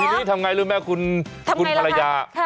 ทีนี้ทำไงรู้ไหมคุณภรรยา